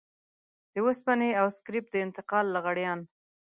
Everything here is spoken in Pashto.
د وسپنې او سکريپ د انتقال لغړيان.